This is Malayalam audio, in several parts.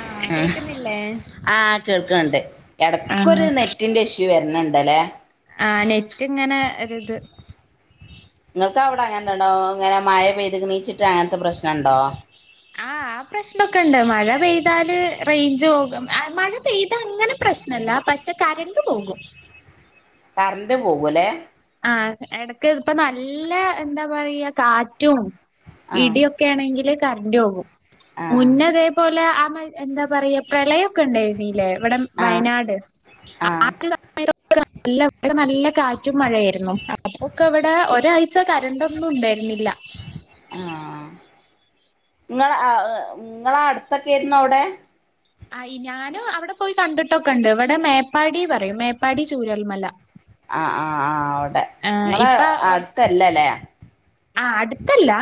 ആ കേക്കുന്നില്ലേ കേൾക്ക്ണ്ട് ഇടക്കൊ ഒരു ആഹ് നെറ്റിന്റെ ഇഷ്യു [unintelligible] വര്ണ്ണ്ണ്ട് ലെ ആഹ് നെറ്റ് ഇങ്ങനെ ഒര് ഇത് നിങ്ങൾക്ക് അവിടെ അങ്ങനെ [unintelligible] അങ്ങനെ മഴ പെയ്തണീച്ചിട്ട് അങ്ങനത്തെ പ്രശ്നംണ്ടോ ആ ആ പ്രശ്നമൊക്കെ ഇണ്ട് മഴ പെയ്താല് റേഞ്ച് പോവും മഴ പെയ്ത അങ്ങനെ പ്രശ്നല്ല പക്ഷെ കരണ്ട് പോകും കറന്റ് പോകൂലേ ആ എടക്ക് ഇപ്പ നല്ല എന്താ പറയാ കാറ്റും ആ ഇടിയൊക്കെ ആണെങ്കില് കറണ്ടു പോകും ആ മുന്നെ തേപോലെ ആ എന്താ പറയാ പ്രളയൊക്കെ ഉണ്ടേനില്ലേ ഇവിടെ ആ വയനാട് ആ ആഹ് സമയത്തൊക്കെ ഇവിടെ നല്ല കാറ്റും മഴയെനി അപ്പൊക്കെ ഇവിടെ ഒരാഴ്ച കരണ്ടൊന്നും ഉണ്ടായിരുന്നില്ല ആ ഇങ്ങളെ അവിടെ ഇങ്ങളെ അടുത്തൊക്കെയായിരുന്നു അവിടെ ആയി ഞാനും അവിടെ പോയി കണ്ടിട്ടൊക്കെ ഉണ്ട് ഇവിടെ മേപ്പാടി പറയും മേപ്പാടി ചൂരൽമല ആ ആ ആ അവ്ടെ ഏഹ് നിങ്ങളെ ഇപ്പ അട്ത്തല്ലലേ ആ അടുത്തല്ല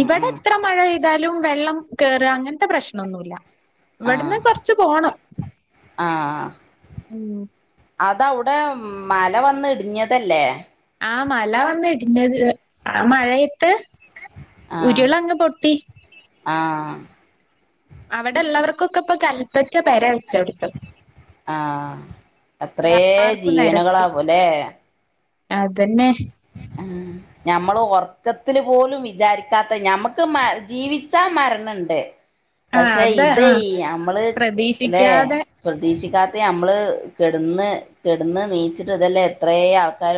ഉം ഉം ഇത്ര മഴ പെയ്താലും വെള്ളം കേറ അങ്ങനത്തെ പ്രശ്നമൊന്നുമല്ല ആ ഇവിടുന്ന് കുറച്ച് പോണം ആ ഉം അതവിടെ മല വന്ന് ഇടിഞ്ഞതല്ലേ ആ മല വന്നിടിഞ്ഞത് ആ മഴയത്ത് ആ ഉരുളങ്ങ് പൊട്ടി ആ അവിടെള്ളവർക്കൊക്കെ ഇപ്പൊ കല്പ്പറ്റ പേരായി ആ എത്രേ എല്ലാർക്കും നിരത്തി ജീവനുകളാവുലെ അതന്നെ ഉം ഞമ്മള് ഉറക്കത്തില് പോലും വിചാരിക്കാത്ത ഞമ്മക്ക് ജീവിച്ചാ മരണണ്ട് ആ പക്ഷെ അത് ആ ഇതേയ് നമ്മള് ല്ലെ പ്രതീക്ഷിക്കാതെ പ്രതീക്ഷിക്കാത്ത നമ്മള് കെടന്ന് കെടന്ന് നീച്ചിട്ട് ഇതല്ലേ എത്രെ ആൾക്കാർ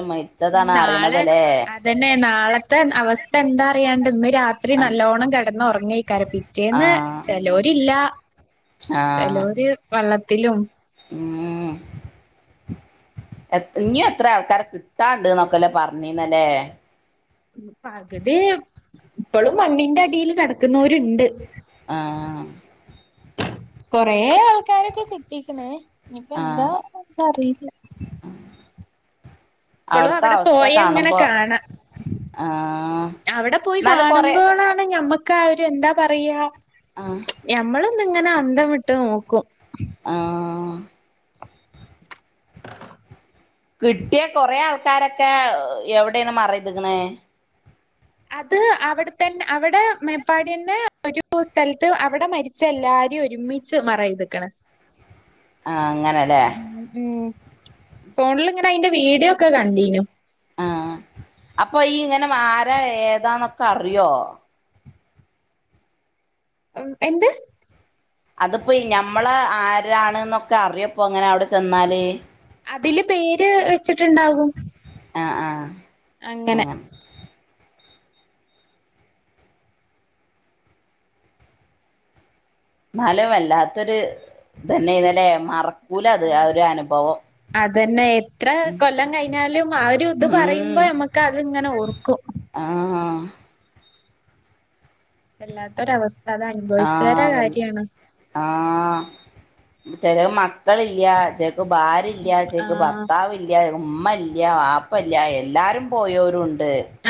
ഉം മരിച്ചതാണ് നാളെ അറിയണതല്ലേ അതന്നെ നാളത്തെ അവസ്ഥ എന്താ [unintelligible] രാത്രി ആഹ് നല്ലോണം കിടന്നൊറങ്ങ [unintelligible] കരപിറ്റേന്ന് ചിലോരില്ല ആഹ് ചിലോര് വെള്ളത്തി ത്തിലും ഉം ഇനിയും എത്രെ ആൾക്കാരെ കിട്ടാണ്ട്ന്നൊക്കെല്ലേ പറഞ്ഞീന്നല്ലേ പകുതി ഇപ്പഴും മണ്ണിന്റെ അടിയിൽ കിടക്കുന്നോരുണ്ട് ആ കൊറെ ആൾക്കാരൊക്കെ കിട്ടിക്ക്ണ് ഇനിപ്പോ ആഹ് എന്താ [unintelligible] ഇപ്പോളും അവിടുത്തെ അവിടെ അവസ്ഥ പോയ ഇങ്ങനെ കാണുമ്പോ കാണാ ആഹ് അവിടെ പോയി എന്നാലും കൊറെ കാണുമ്പോഴാണ് ഞമ്മക്ക് ക്കാ ഒരു എന്താ പറയാ ആഹ് ഞമ്മളൊന്ന് ഇങ്ങനെ അന്ധം വിട്ട് നോക്കും ആഹ് [inaudible] കിട്ടിയ കൊറെേ ആൾക്കാരൊക്കെ എവിടെയാണ് മറിയ്ത്ക്ക്ണ് അത് അവിടെത്തന്നെ അവിടെ മേപ്പാടി തന്നെ ഒരു സ്ഥലത്ത് അവിടെ മരിച്ച എല്ലാരും ഒരുമിച്ച് മറ ചെയ്ത്ക്ക്ണ് ആ അങ്ങനെല്ലേ ഉം ഫോണിൽ ഇങ്ങനെ അയിന്റെ വീഡിയോക്കെ കണ്ടീനു ആഹ്‌ അപ്പൊ ഈ ഇങ്ങനെ ആരാ ഏതാന്നൊക്കെ അറിയോ ഉം എന്ത് അതിപ്പോ ഈ ഞമ്മളെ ആരാണ് എന്നൊക്കെ അറിയോപ്പോ ഇങ്ങനെ അവിടെ ചെന്നാല് അതിലെ പേര് വെച്ചിട്ടുണ്ടാകും അങ്ങനെ ആഹ്‌ എന്നാലും വല്ലാത്തൊരു ഇതന്നെ ഇന്നലെ മറ ആ അതന്നെ എത്ര ഉം കൊല്ലം കഴിഞ്ഞാലും ആ ഒരു ഇതു ഉം പറയുമ്പോ നമ്മക്കെ അതെ ഇങ്ങനെ ഓർക്കും. ആഹ് വല്ലാത്തൊര അവസ് ആ വല്ല ആ ചെലെ മക്കളില്ല ചെ ക്ക് ഭാര്യാല്ല ചെക്ക് ആഹ് ഭർത്താവില്ല ഉമ്മല്ല വപ്പല്ല എല്ലാരും പോയവരുണ്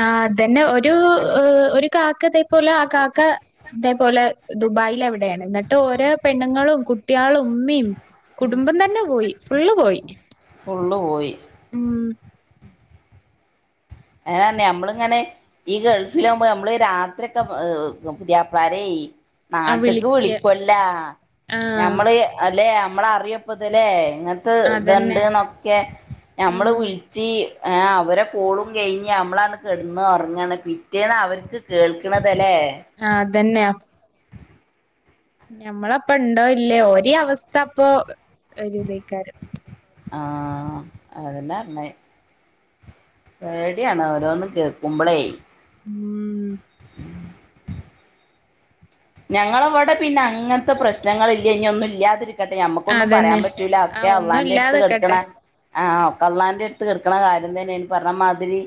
ആ അതന്നെ ഒരു ഒരു കാക്ക അതേ പോലെ ആ കാക്ക ഇതേപോലെ ദുബായില എവിടെയാണ് എന്നിട്ട് ഓരോ പെണ്ണുങ്ങളും കുട്ടികളും ഉമ്മയും കുടുംബം തന്നെ പോയി ഫുള്ള് പോയി ഫുള്ള് പോയി ഉം അങ്ങനന്നെ നമ്മളിങ്ങനെ ഈ ഗൾഫിലാകുമ്പോ നമ്മള് രാത്രി ഒക്കെ പുതിയാപ്ലരേ ആഹ് നാട്ടക്ക് വിളിക്ക്യ വിളിപ്പല്ല ആഹ് ഞമ്മള് അല്ലെ നമ്മള് അറിയപ്പത്തല്ലേ അങ്ങത്തെ അതന്നെ ഇത്ണ്ട്ന്നൊക്കെ നമ്മള് ഉം വിളിച്ച് ആ അവരെ പോളും കഴിഞ്ഞ് നമ്മള് അങ്ങോട്ട് കിടനുറങ്ങാണ് പിറ്റേ അവർക്ക് കേൾക്കണത് എ ആ അതന്നെയാ ഞമ്മള് അപ്പോ ഇണ്ടോ ഇല്ലേ ഒരേ അവസ്ഥ അപ്പൊ [unintelligible] ക്കാരും ആ അങ്ങനെ തന്നെ പേടിയാണ് ഓരോന്ന് കേൾക്കുമ്പോളേ ഉം ഞങ്ങളവിടെ പിന്നെ അങ്ങനത്തെ പ്രശ്നങ്ങൾ ഇല്ല ഇനി ഒന്നും ഇല്ലാതിരി ക്കട്ടെ ഞമ്മക്കൊന്നും പറയാൻ അതന്നെ പറ്റൂല ഒക്കെ ആഹ് ഒന്നും അള്ളാന്റെ അടുത്ത് കിടുക്കണ ഇല്ലാതെക്കട്ടെ ആ ഒക്കെ അള്ളാൻ്റെ അടുത്ത് കിടക്കണ കാര്യം തന്നെന്ന് പറഞ്ഞ മാതിരി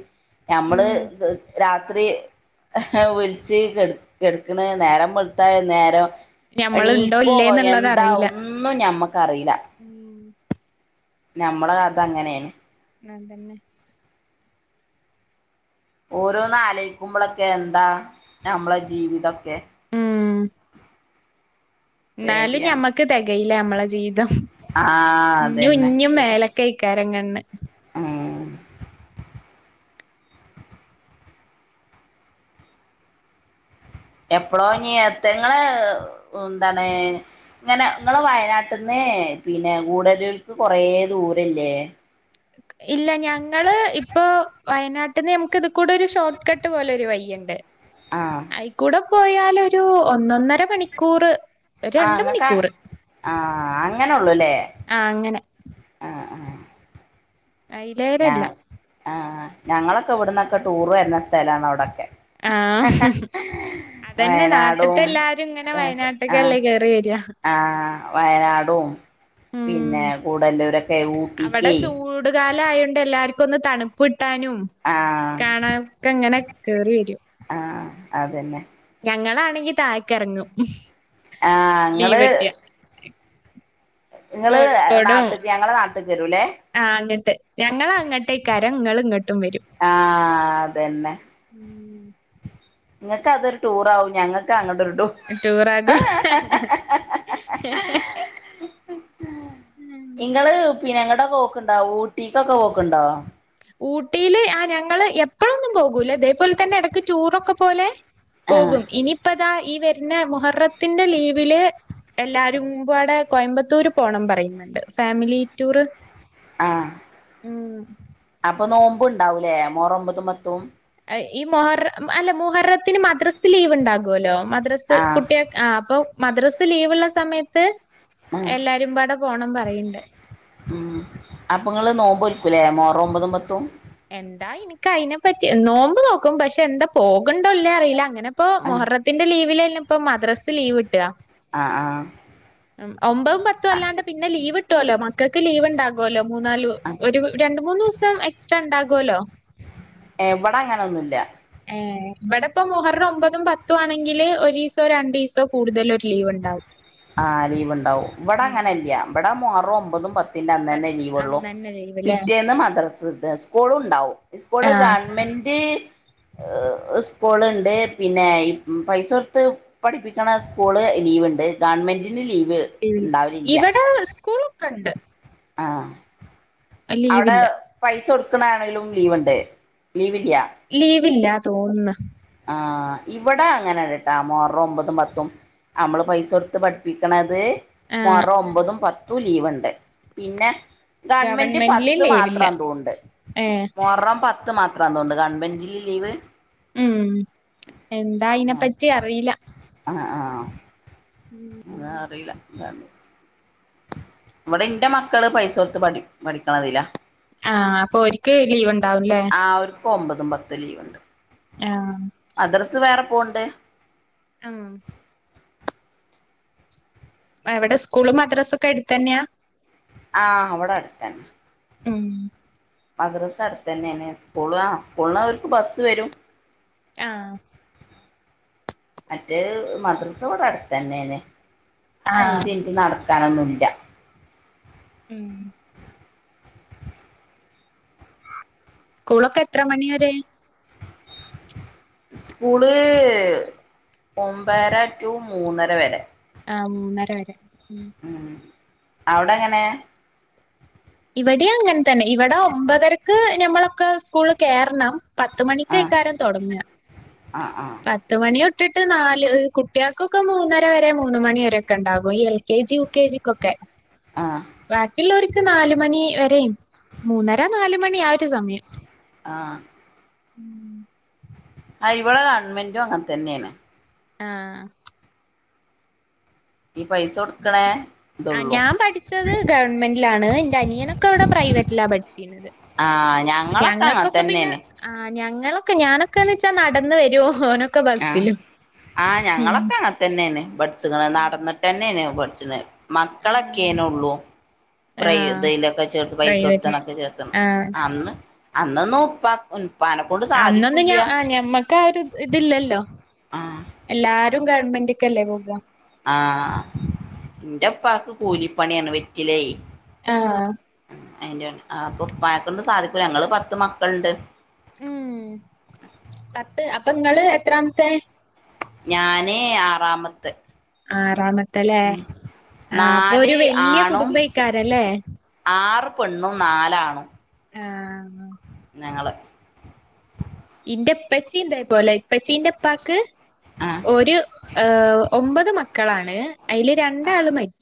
ഞമ്മള് ഉം രാത്രി വിളിച്ച് കെടുക്കണ നേരം വെ ളത്ത നേരം ഞമ്മള്ണ്ടോ എണീക്കോ ഇല്ലേന്ന്ള്ളത് എന്താ അറിയില്ല ഒന്നും ഞമ്മ അറിയില്ല ഉം നമ്മള കഥ അങ്ങനെയാണ് നാൻ തന്നെ ഓരോന്ന് ആലയിക്കുമ്പളൊക്കെ എന്താ നമ്മളെ ജീവിതൊക്കെ ഉം എന്നാലും പേടിയാണ് ഞമ്മക്ക് തെകയില്ല നമ്മളെ ജീവിതം ആ ഇഞ്ഞും ഇഞ്ഞും മേലെക്ക്‌ അയിക്കാരം ഉണ്ണേ ആ എപ്പളൊ ഇഞ്ഞി എത്തങ്ങള് എന്താണ് ഇങ്ങനെ നിങ്ങളെ വയനാട്ട്ന്ന് പിന്നെ ഗുടല്ലൂർക്ക് കൊറേ ദൂരല്ലേ ഇല്ല ഞങ്ങള് ഇ ഇപ്പൊ വയനാട്ടിന്ന് ഞമ്മക്ക് ഇത് കൂടെ ഒരു ഷോട്ട് കട്ട് പോലെ ഒരു വയ്യാണ് ടെ ആഹ് ആയ് ക്കൂടം പോയാൽ ഒരു ഒന്നൊന്നര മണിക്കൂറ് ആഹ് ഇങ്ങക്ക്‌ ആഹ് ങ്ങനെ ആ അങ്ങനെ ഞാൻ അയിലേരല്ല ആ ഞങ്ങളൊക്കെ ഇവ്ടുന്നൊക്കെ ടൂർ വരുന്ന സ്ഥലാണ് അവിടൊക്കെ ആ അതന്നെ നാട്ട്ത്തെ വയനാടും എല്ലാരും ഇങ്ങനെ ആഹ് വയനാട്ട്ക്കല്ലേ കേറി വരാ ആഹ് വയനാടും പിന്നെ ഗുടല്ലൂരൊക്കെ ഊട്ടിക്കെ ലായൊണ്ട് എല്ലാര്ക്കും ഒന്ന് തണുപ്പ് ട്ടാനും ആഹ് കാണാനൊക്കെ ഇങ്ങനെ കേറി വരും ആഹ് അതന്നെ ഞങ്ങളാണെങ്കി താഴെക്ക്റങ്ങും ആ ങ്ങള് കോഴിക്കോടും നാട്ട്ക്ക് ഞങ്ങളെ നാട്ട്ക്ക് വരൂലേ ആ അങ്ങിട്ട് ഞങ്ങള് അങ്ങിട്ടേക്കാരം ഇങ്ങള് ഇങ്ങ ആഹ് അതന്നെ ഇങ്ങക്ക് അതൊരു ടൂറാവും ഞങ്ങക്ക് അങ്ങൊടൊരു ടൂർ ആകും നിങ്ങള് പിന്നെ എങ്ങട്ടൊ‌ പോക്ക്‌ണ്ടോ ഊട്ടിക്കൊക്കെ പോക്ക്‌ണ്ടോ ഊട്ടിയില് ആ ഞങ്ങള് എപ്പഴൊന്നും പോകൂല ഇതേപോലെ തന്നെ ഇടക്ക് ടൂറൊക്കെ പോലെ ആഹ് പോകും ഇനിയിപ്പം താ ഈ വരുന്ന മുഹറത്തിന്റെ ലീവില് എല്ലാരുംകൂടെ കോയമ്പത്തൂര് പോണം പറയ്ന്നുണ്ട് ഫാമിലി ടൂർ ആഹ് ഉം അപ്പൊ നോമ്പും ഉണ്ടാവൂലേ മൊഹറം ഒമ്പതും പത്തും ഈ മൊഹറ അല്ല മൊഹറത്തിന് മദ്രസ് ലീവ് ഒണ്ടാകുല്ലോ മദ്രസ് ആഹ് കുട്ടിയ ആ അപ്പൊ മദ്രസ് ലീവുള്ള സമയത്ത് ആഹ് എല്ലാരുംപാടെ പോണം പറയണ്ട് ലേ മോറം ഒമ്പതും പത്തും എന്താ എനിക്ക് അതിനെപ്പറ്റി നോമ്പ് നോക്കും പക്ഷെ എന്താ പോകണ്ടല്ലേ അറിയില്ല അങ്ങനെ ഇപ്പൊ ആഹ് മൊഹറത്തിന്റെ ലീവിലലേം ഇപ്പൊ മദ്രാസ ലീവിട്ടാ ആ ഉം ഒമ്പതും പത്തും അല്ലാണ്ട് പിന്നെ ലീവ് കിട്ടുമല്ലോ മക്കൾക്ക് ലീവ്ണ്ടാവുമല്ലോ മൂന്നല് ഒരു രണ്ട് മൂന്ന് ദിവസം എക്സ്ട്രാ ഉണ്ടാകുവല്ലോ എവിടെ അങ്ങനൊന്നുല്ല ഏ ഇവിടെയിപ്പോ മുഹറം ഒമ്പതും പത്തും ആണെങ്കില് ഒരു ദിവസോ രണ്ടു ദിവസോ കൂടുതലും ഒരു ലീവ് ഉണ്ടാവും ആ ലീവ് ഒണ്ടാവും ഇവടെ ഉം അങ്ങനെല്യ ഇവടെ മോഹറം ഒമ്പതും പത്തും മുഹറത്തിന്റെ അന്ന ന്നെ പത്ത് ലീവ്ള്ളു അന്നന്നെ ലീവ്ല്ലേ പിറ്റേന്ന് മദ്രസണ്ട് സ്കൂൾ ഒണ്ടാവും സ്കൂള് ആഹ് ഗവൺമെന്റ് സ്കൂളുണ്ട് പിന്നെ പൈസ കൊടുത്ത് പഠിപ്പിക്കണ സ്കൂള് ലീവിണ്ട്. ഗവൺമെന്റിന് ലി ഉം ഇവിടെ സ്കൂള് കണ്ട് ആ അവിടെ പൈസ കൊടുത് ണ ആണെങ്കിലും ലീവ്ണ്ട് ലീവില്യ ലീവില്ല തോന്നന്ന് ആ ഇവിടെ അങ്ങനെണ്ടട്ടാ മൊഹറം ഒമ്പതും പത്തും നമ്മള് പൈസ കൊടുത്ത് പഠിപ്പിക്കണത് ആഹ് മൊഹറം ഒമ്പതും പത്തും ലീവ് ഉണ്ട് പിന്നെ ഗവൺമെന്റ് ഗവൺമെന്റില് പത്ത് മാത്രം ലീവില്ല അതുണ്ട് ഏഹ് മൊഹറം പത്ത് ത് മാത്രമാന്നു തോന്നണ്ട് ഗവണ്മെന്റ് ലീവ് ഉം എന്താ അയിനെപ്പറ്റി അറിയില്ല ആ ആ എന്നാ അറീല്ല അ ഇവിടെ ഇന്റെ മക്കള് പൈസ കൊടുത്ത് പഠി പഠിക്ക്ണതിലാ. ആഹ് അ പ്പോര്ക്ക് ലീവുണ്ടാവുല്ലേ ആ അവർക്ക് ഒമ്പതും പത്തും ലീവുണ്ട് ആ പോവ്ണ്ട് അങ്ങു അവിടെ സ്കൂളും മദ്രസ് ക്കെ ട്‌ത്തെന്നെയാ ആഹ് അവിടെ അടുത്തന്നെ ഉം മദ്രസ അടുത്തെന്നെയാണ് സ്കൂൾ ആ സ്കൂളാ അവർക്ക് ബസ്സുവരും. ആഹ് മറ്റേ മദ്രസ ഇവിടെയടുത്തന്നെണ്. ആഹ് അഞ്ച്നിട്ട് നട [unintelligible] ഉം. സ്കൂളൊക്കെ എത്രമണി വരെ സ്കൂൾ ഒമ്പതര ടു മൂന്നര വരെ ആ മൂന്നര വരെ. ഉം. അവിടെങ്ങനെ ഇവിടെയും അങ്ങനെ തന്നെ. ഇവിടെ ഒമ്പതരക്ക് ഞമ്മളൊക്കെ സ്കൂളിൽ കേറണം പത്ത് ആഹ് മണിക്കേക്കാരം തുടങ്ങുക. ആഹ് ആഹ് പത്ത് മണി തൊ ട്ടിട്ട് നാല് കുട്ടികക്കൊക്കെ മൂന്നര വരെ മൂന്ന് മണി വരൊക്കെ ഉണ്ടാകും. ഈ L K G, U K ജിക്കൊക്കെ ആഹ് ബാക്കിയുളോരിക്ക് നാല് മണി വരെയും, മൂന്നര നാലുമണി ആ റ്റ് സമയം [inaudible] ആ ഇവടെ ഗവൺമെന്റും അങ്ങനെ തന്നെയാണ് ആഹ് ഈ പൈസ കൊടുക്കണേ ആ ഇതൊള്ളൂ ഞാൻ പഠിച്ചത് ഗവൺമെന്റിലാണ് എൻ്റെ അനിയനൊക്കിവിടെ പ്രൈവറ്റിലാ പഠിച്ച ആഹ് പിന്നെ ഞങ്ങളൊക്കങ്ങനത്തന്നെയാണ് ആ ഞങ്ങളൊക്കെ, ഞാനൊക്കെന്ന് വെച്ചാൽ നടന്ന് വരും ഓനൊക്കെ ആഹ്. ബസ്സിലും ആഹ് ഉം ഞങ്ങളൊക്കെ അങ്ങനെത്തന്നെയാണ് [unintelligible] നടന്നിട്ട് തന്നെയാണ് [unintelligible] ഉം മക്കളൊക്കെയേനു ഉള്ളൂ പ്ര ആഹ് ഇതലൊക്കെ ചേർത്ത് പൈസ പ്രൈവറ്റിൽ കൊടുത്തണൊക്കെ ചേർത്തുന്നെ ആഹ് അന്ന് അന്നൊന്നും ഉപ്പ ഉപ്പാനെ കൊണ്ട് അന്നൊന്നും ഞ സാധിക്കൂല്ല ആ ഞമ്മക്ക് ആ ഒരു ഇതില്ല ല്ലോ ആഹ് എല്ലാരും രും ഗവൺമെൻ്റ് ക്കല്ലേ പോകുക ആഹ് എന്റെ ഉപ്പാക്ക് കൂലിപ്പണിയാണ് വെറ്റിലയെ ആഹ് അയിന്റെ അപ്പോ ഉപ്പായെക്കൊണ്ട് സാധിക്കൂല ഞങ്ങളെ പത്തു മക്കളുണ്ട് മ്മ് പത്ത് അപ്പൊ നിങ്ങളെ എത്രാമത്തെ ഞാനെ ആറാമത്തെ ആറാമത്തല്ലേ ഉം ആഹ്‌ അപ്പൊ ഒരു നാല് വല്യ ആണും കുടുംബയിക്കാരല്ലേ ആറ് പെണ്ണും നാലാണും ആഹ് ഞങ്ങള് ഇന്റെ ഇപ്പച്ചി ഇതേപോലെ ഇപ്പച്ചീന്റെ ഇപ്പാക്ക് ആഹ് ഒരു ഏഹ് ഒമ്പത് മക്കളാണ് അയില് രണ്ടാള് മരിച്ചു